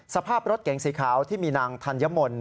สภาพรถเก๋งสีขาวที่มีนางธัญมนต์